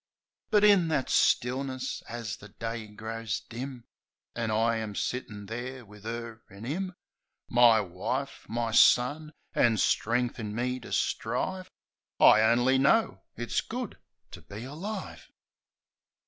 But in that stillness, as the day grows dim. An' I am sittin' there wiv 'er an' 'im — My wife, my son! an' strength in me to strive, I only know — it's good to be alive!